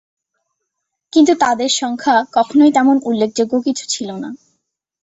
কিন্তু তাদের সংখ্যা কখনই তেমন উল্লেখযোগ্য কিছু ছিল না।